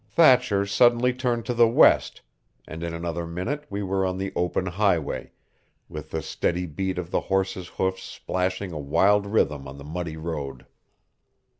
Thatcher suddenly turned to the west, and in another minute we were on the open highway, with the steady beat of the horses' hoofs splashing a wild rhythm on the muddy road.